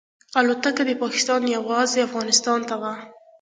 الوتکه د پاکستان یوازې افغانستان ته وه.